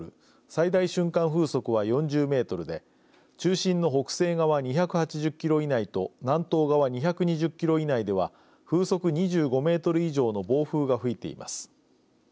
最大瞬間風速は４０メートルで中心の北西側２８０キロ以内と南東側２２０キロ以内では風速２５メートル以上の暴風が吹いています。